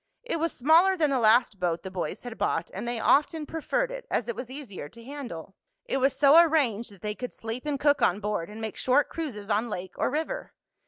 It was smaller than the last boat the boys had bought, and they often preferred it, as it was easier to handle. It was so arranged that they could sleep and cook on board, and make short cruises on lake or river.